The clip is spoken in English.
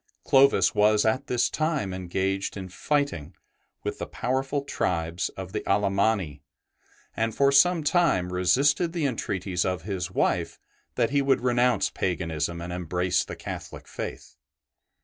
Clovis was at this time engaged in fighting with the powerful tribes of the Alemanni, and for some time resisted the entreaties of his wife that he would renounce paganism and embrace the Catholic faith.